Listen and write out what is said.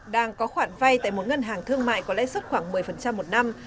đang có khoản vay tại một ngân hàng thương mại có lãi suất khoảng một mươi một năm